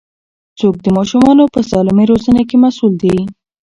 څوک د ماشومانو په سالمې روزنې کې مسوول دي؟